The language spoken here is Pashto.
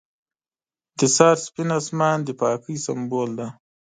• د سهار سپین آسمان د پاکۍ سمبول دی.